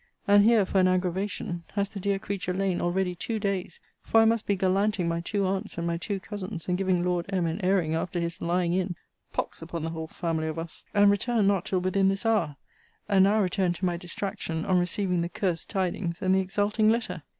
And here, for an aggravation, has the dear creature lain already two days; for I must be gallanting my two aunts and my two cousins, and giving Lord M. an airing after his lying in pox upon the whole family of us! and returned not till within this hour: and now returned to my distraction, on receiving the cursed tidings, and the exulting letter.